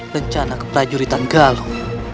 rencana keperajuritan galuh